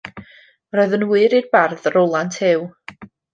Roedd yn ŵyr i'r bardd Rolant Huw.